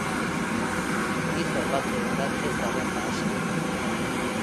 Gizon batzuentzat ezer ez da aski.